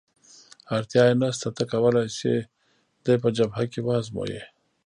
اړتیا یې نشته، ته کولای شې دی په جبهه کې وآزموېې.